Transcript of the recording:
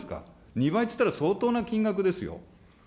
２倍といったら、相当な金額ですよ。